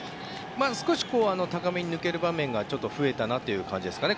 少し高めに抜ける場面が増えたという感じですね。